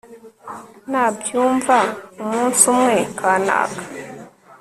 nabyumva umunsi umwe, kanaka